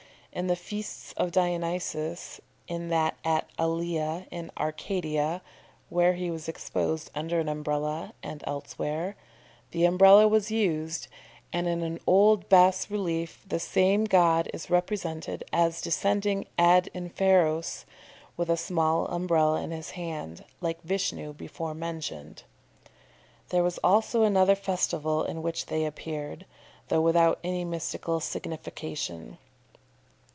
In the feasts of Dionysius (in that at Alea in Arcadia, where he was exposed under an Umbrella, and elsewhere) the Umbrella was used, and in an old has relief the same god is represented as descending ad inferos with a small Umbrella in his hand, like Vishnu before mentioned. There was also another festival in which they appeared, though without any mystical signification.